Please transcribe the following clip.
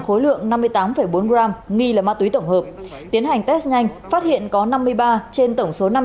khối lượng năm mươi tám bốn gram nghi là ma túy tổng hợp tiến hành test nhanh phát hiện có năm mươi ba trên tổng số năm mươi